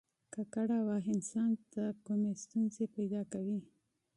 ککړه هوا انسان ته کومې ستونزې پیدا کوي